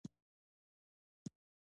سایپا بل موټر جوړوونکی شرکت دی.